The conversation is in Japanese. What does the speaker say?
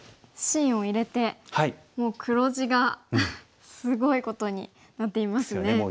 芯を入れてもう黒地がすごいことになっていますね。